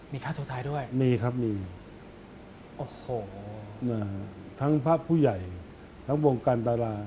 มีฆ่าตัวตายด้วย